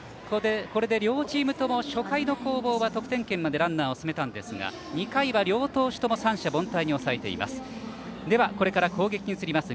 これで両チームとも初回の攻防は得点圏までランナーを進めたんですが２回は両投手とも三者凡退に抑えています。